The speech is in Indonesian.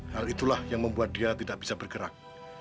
hal itulah yang membuat dia tidak bisa bergerak